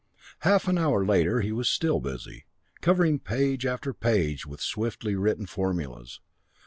Half an hour later he was still busy covering page after page with swiftly written formulas.